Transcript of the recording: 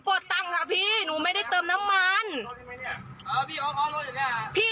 ผมจำหน่าเจ๊ได้ครับแต่ว่าเจ๊บอกว่าเจ๊ดี